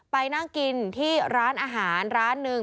ไปนั่งกินที่ร้านอาหารร้านหนึ่ง